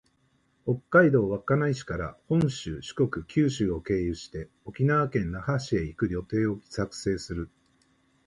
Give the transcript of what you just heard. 北海道稚内市から本州、四国、九州を経由して、沖縄県那覇市へ行く旅程を作成する